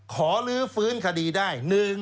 ลื้อฟื้นคดีได้